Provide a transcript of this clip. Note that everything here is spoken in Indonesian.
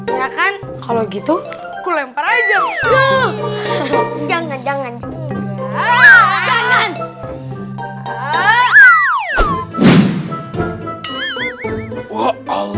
ya kan kalau gitu aku lempar aja jangan jangan jangan